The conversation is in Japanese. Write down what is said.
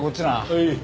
はい。